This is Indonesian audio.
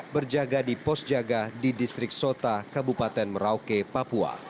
berjaga di pos jaga di distrik sota kabupaten merauke papua